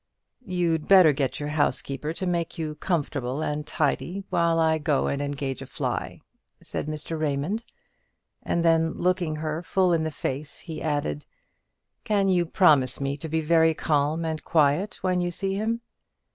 "You'd better get your housekeeper to make you comfortable and tidy, while I go and engage a fly," said Mr. Raymond; and then looking her full in the face, he added, "Can you promise me to be very calm and quiet when you see him?